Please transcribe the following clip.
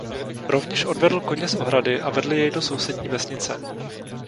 Rovněž odvedl koně z ohrady a vedl jej do sousední vesnice.